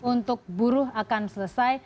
untuk buruh akan selesai